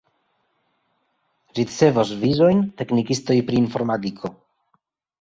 Ricevos vizojn teknikistoj pri informadiko.